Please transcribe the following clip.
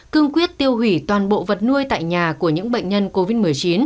cương quyết tiêu hủy toàn bộ vật nuôi tại nhà của những bệnh nhân covid một mươi chín